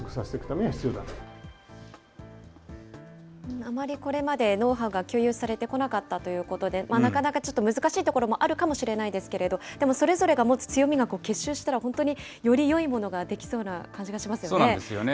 あまりこれまでノウハウが共有されてこなかったということで、なかなかちょっと難しいところもあるかもしれないですけれど、でもそれぞれが持つ強みが結集したら、本当によりよいものが出来そうなんですよね。